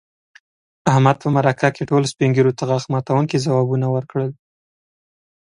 احمد په مرکه کې ټولو سپین ږیرو ته غاښ ماتونکي ځوابوه ورکړل.